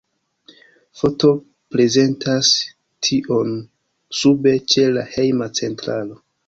Foto prezentas tion sube ĉe la hejma centralo.